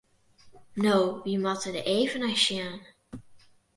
No, we moatte der even nei sjen.